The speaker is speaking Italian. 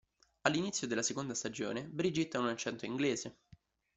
All'inizio della seconda stagione Brigitte ha un accento inglese.